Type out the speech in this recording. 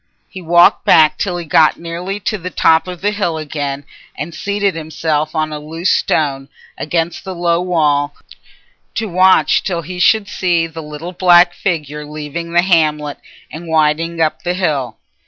He walked back till he got nearly to the top of the hill again, and seated himself on a loose stone, against the low wall, to watch till he should see the little black figure leaving the hamlet and winding up the hill.